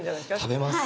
食べます。